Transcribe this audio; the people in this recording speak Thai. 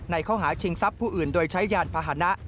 ข้อหาชิงทรัพย์ผู้อื่นโดยใช้ยานพาหนะ